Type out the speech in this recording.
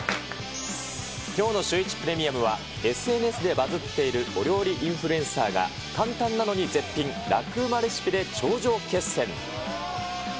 きょうのシュー１プレミアムはＳＮＳでバズっているお料理インフルエンサーが、簡単なのに絶品、ラクうまレシピで頂上決戦。